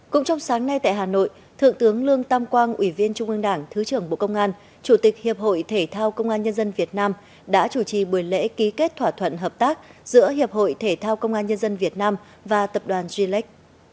cũng trong sáng nay tại hà nội thượng tướng lương tam quang ủy viên trung ương đảng thứ trưởng bộ công an chủ tịch hiệp hội thể thao công an nhân dân việt nam đã chủ trì buổi lễ ký kết thỏa thuận hợp tác giữa hiệp hội thể thao công an nhân dân việt nam và tập đoàn g lex